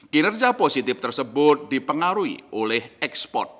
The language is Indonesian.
kinerja positif tersebut dipengaruhi oleh ekspor